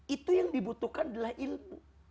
itu yang dibutuhkan adalah ilmu